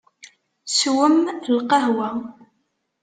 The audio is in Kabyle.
Swem lqahwa.